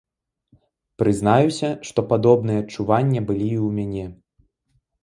Прызнаюся, што падобныя адчуванне былі і ў мяне.